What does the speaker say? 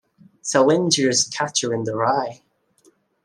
Salinger's "Catcher in the Rye".